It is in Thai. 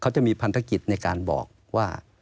เขาจะมีพันธกิจในการบอกว่า